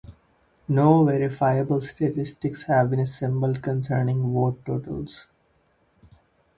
No verifiable statistics have been assembled concerning vote totals.